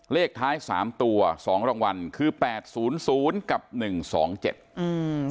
เลขท้ายสามตัวสองรางวัลคือแปดศูนย์ศูนย์กับหนึ่งสองเจ็ดอืม